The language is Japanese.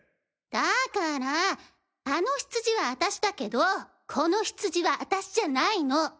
だからあのヒツジはあたしだけどこのヒツジはあたしじゃないの！